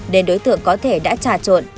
để đối tượng có thể đã trả trốn